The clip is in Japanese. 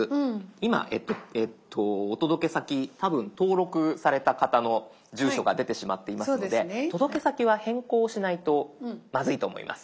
今お届け先多分登録された方の住所が出てしまっていますので届け先は変更しないとまずいと思います。